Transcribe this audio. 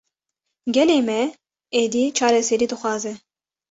Gelê me, êdî çareserî dixwaze